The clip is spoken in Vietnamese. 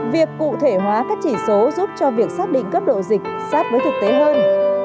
việc cụ thể hóa các chỉ số giúp cho việc xác định cấp độ dịch sát với thực tế hơn